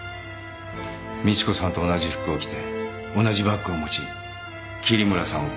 美知子さんと同じ服を着て同じバッグを持ち桐村さんを公園に呼び出し。